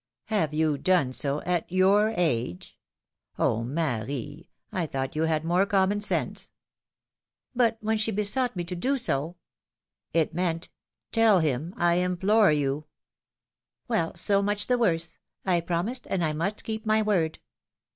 Plave you done so, at your age ? Oh I Marie, I thought you had more common sense !" But when she besought me to do so !" It meant ' tell him, I implore you 1 '" Well, so much the worse! I promised, and I must keep my word."